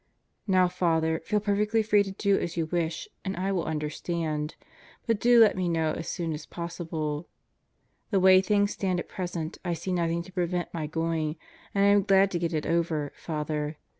Now Father, feel perfectly free to do as you wish, and I will understand. ... But do let me know as soon as possible. The way things stand at present, I see nothing to prevent my going, and I am glad to get it over, Father.